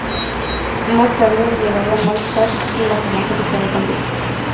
Más tarde, llegaría Mark Hart y la formación estaría completa.